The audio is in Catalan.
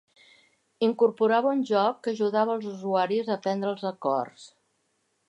Incorporava un joc que ajudava els usuaris a aprendre els acords.